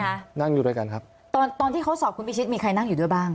นั่งอยู่ด้วยกันครับตอนตอนที่เขาสอบคุณพิชิตมีใครนั่งอยู่ด้วยบ้าง